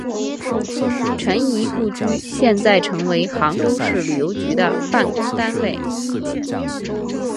陈仪故居现在成为杭州市旅游局的办公单位。